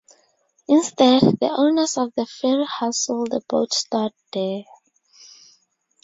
Instead, the owners of the ferry house sold the boat stored there.